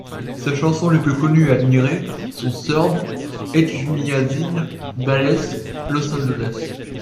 Ses chansons les plus connues et admirées sont Surb Edjmiazin, Bales, Los Angeles…